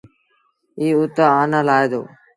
ايٚ اُت آنآ لآهي دو۔